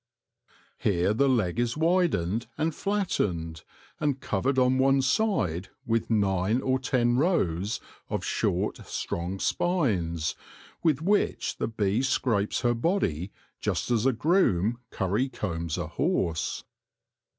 Here the leg is widened and flattened, and covered on one side with nine or ten rows of short, strong spines, with which the bee scrapes her body just as a groom curry combs a horse.